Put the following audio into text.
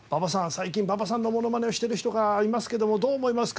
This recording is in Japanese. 最近馬場さんのモノマネをしてる人がいますけどもどう思いますか？